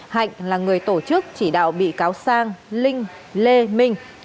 hạnh là người tổ chức chỉ đạo bị cáo sang linh lê minh